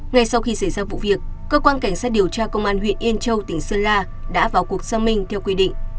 ngay sau khi xảy ra vụ việc cơ quan cảnh sát điều tra công an huyện yên châu tỉnh sơn la đã vào cuộc xâm minh theo quy định